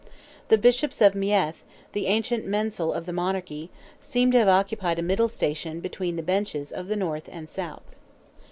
The Bishops of Meath, the ancient mensal of the monarchy, seem to have occupied a middle station between the benches of the north and south.